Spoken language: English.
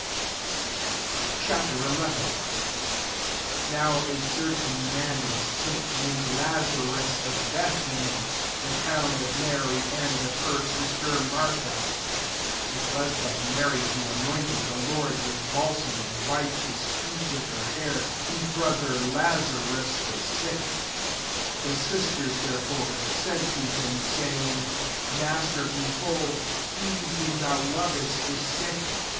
Ch. XI. I NOW a certain man was sick, named Lazarus, of Be'thany, the town of Manr and of her sister Martha. 2 (It was that Mary who anointed the Lord with balsam, and wip ed his feet with her hair, whose bi«>ther Lazarus was sick.) 3 The sisters, therefore, sent to him, saying, " Master, behold ; he whom thou lovest is sick."